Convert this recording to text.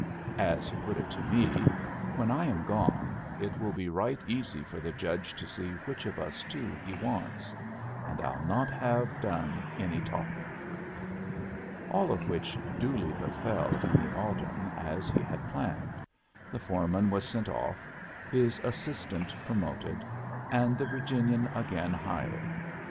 As he put it to me: "When I am gone, it will be right easy for the Judge to see which of us two he wants. And I'll not have done any talking." All of which duly befell in the autumn as he had planned: the foreman was sent off, his assistant promoted, and the Virginian again hired.